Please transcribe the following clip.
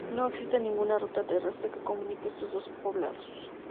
No existe ninguna ruta terrestre que comunique estos dos poblados.